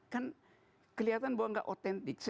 kan kelihatan bahwa nggak otentik